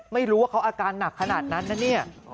ไม่รู้ว่าเขาอาการหนักขนาดนั้นนะเนี่ย